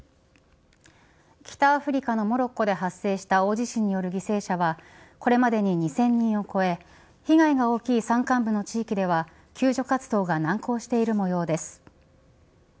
北アフリカのモロッコで発生した大地震による犠牲者はこれまでに２０００人を超え被害が大きい山間部の地域では救助活動が難航しているもようです。